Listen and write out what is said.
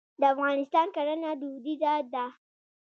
د افغانستان کرنه دودیزه ده.